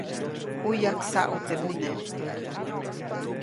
ʼU yajksaʼu teʼ ʼune.